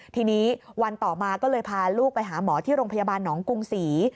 ทีนี้วันต่อมาก็เลยพาลูกไปหาหมอที่โรงพยาบาลหนองกรุงศรี